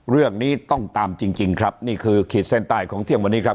เรื่องนี้ต้องตามจริงครับนี่คือขีดเส้นใต้ของเที่ยงวันนี้ครับ